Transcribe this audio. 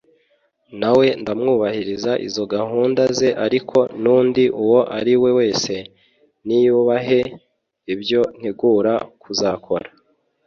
nawe ndamwubahira izo gahunda ze ariko n’undi uwo ari we wese niyubahe ibyo ntegura kuzakora